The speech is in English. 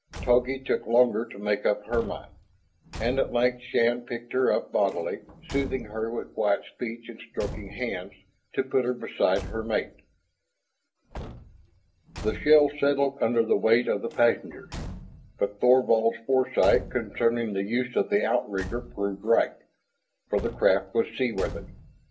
Togi took longer to make up her mind. And at length Shann picked her up bodily, soothing her with quiet speech and stroking hands, to put her beside her mate. The shell settled under the weight of the passengers, but Thorvald's foresight concerning the use of the outrigger proved right, for the craft was seaworthy.